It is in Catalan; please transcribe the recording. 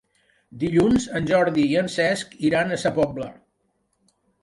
Dilluns en Jordi i en Cesc iran a Sa Pobla.